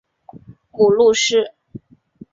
母陆氏。